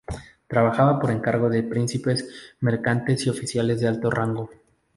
Trabajaba por encargo de príncipes mercantes y oficiales de alto rango.